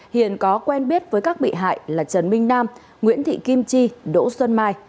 hiền có quen biết với các bị hại là trần minh nam nguyễn thị kim chi đỗ xuân mai